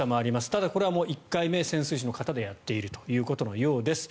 ただこれは１回目潜水士の方でやっていることのようです。